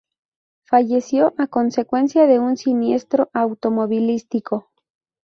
Falleció a consecuencia de un siniestro automovilístico.